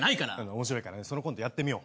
面白いからねそのコントやってみよう。